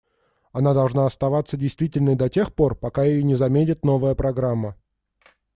Она должна оставаться действительной до тех пор, пока ее не заменит новая программа.